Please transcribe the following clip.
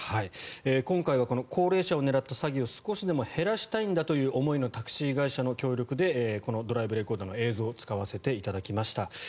今回は高齢者を狙った詐欺を少しでも減らしたいんだという思いのタクシー会社の協力でこのドライブレコーダーの映像を使わせていただきました。